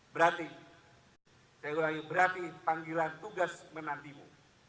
berarti saya ulangi berarti panggilan tugas menantimu